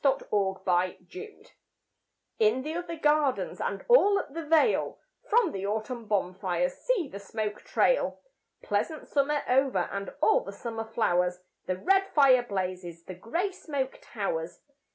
VI Autumn Fires In the other gardens And all up the vale, From the autumn bonfires See the smoke trail! Pleasant summer over And all the summer flowers, The red fire blazes, The grey smoke towers.